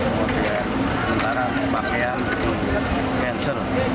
kemudian sementara pakaian cancel